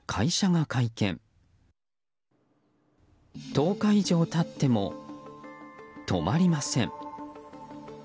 １０日以上経っても止まりません。